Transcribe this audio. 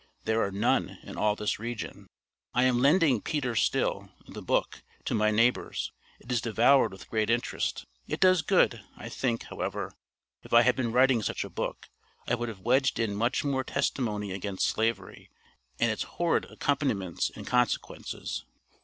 There are none in all this region. I am lending Peter Still the book to my neighbors. It is devoured with great interest. It does good. I think, however, if I had been writing such a book, I would have wedged in much more testimony against slavery and its horrid accompaniments and consequences.